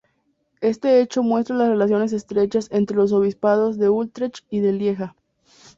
Este hecho muestra las relaciones estrechas entre los obispados de Utrecht y de Lieja.